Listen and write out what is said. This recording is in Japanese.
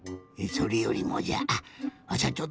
それよりもじゃわしゃ